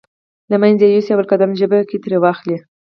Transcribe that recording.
له منځه يوسې اول قدم کې ژبه ترې واخلئ.